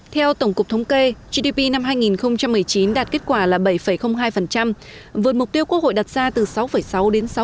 theo tổng cục thống kê gdp năm hai nghìn một mươi chín đạt kết quả là bảy hai vượt mục tiêu quốc hội đặt ra từ sáu sáu đến sáu